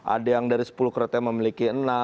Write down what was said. ada yang dari sepuluh kriteria memiliki enam